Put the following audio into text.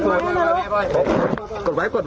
ครูกัดสบัติคร้าว